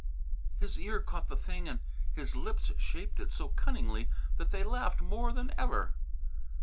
His ear caught the thing and his lips shaped it so cunningly that they laughed more than ever.